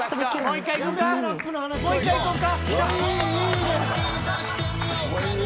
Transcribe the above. もう１回いこうか。